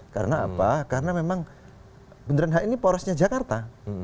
karena apa karena memang bundaran hi ini porosnya jakarta